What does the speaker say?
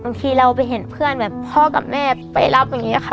บางทีเราไปเห็นเพื่อนแบบพ่อกับแม่ไปรับอย่างนี้ค่ะ